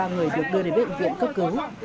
ba người được đưa đến bệnh viện cấp cứu